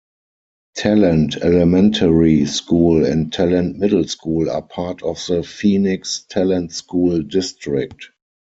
Talent Elementary School and Talent Middle School are part of the Phoenix-Talent School District.